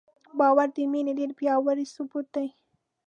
باور د مینې ډېر پیاوړی ثبوت دی.